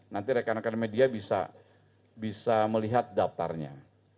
nanti rekan rekan media bisa melihat daftarnya